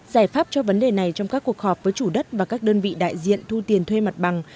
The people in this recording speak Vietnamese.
giải pháp cho vấn đề này trong các cuộc họp với chủ đất và các đơn vị đại diện thu tiền thuê mặt bằng